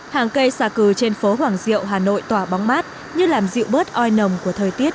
hàng cây xà cừ trên phố hoàng diệu hà nội tỏa bóng mát như làm dịu bớt oi nồng của thời tiết